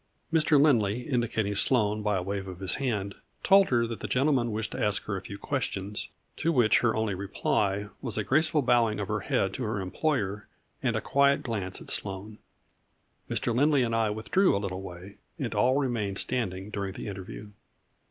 Mr. Lindley, indicating Sloane by a wave of his hand, told her that the gentleman wished to ask her a few questions, to which her only reply was a graceful bowing of her head to her em ployer and a quiet glance at Sloane. Mr. Lindley and I withdrew a little way, and all remained standing during the interview.